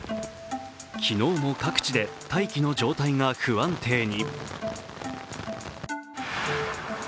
昨日も各地で大気の状態が不安定に。